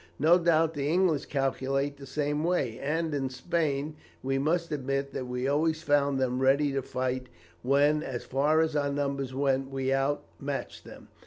No doubt the English calculate the same way, and, in Spain, we must admit that we always found them ready to fight when, as far as numbers went, we outmatched them.